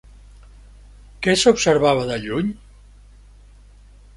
Què s'observava de lluny?